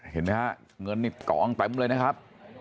เห็นไหมฮะเงินนี่กองเต็มเลยนะครับ